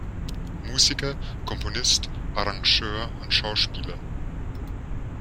Musiker, Komponist, Arrangeur und Schauspieler.